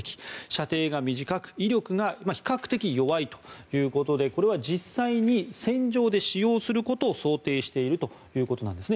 射程が短く威力が比較的弱いということでこれは実際に戦場で使用することを想定しているということです。